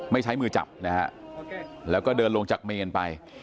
ไม่ใช้มือจับแล้วก็เดินลงจากเมนไป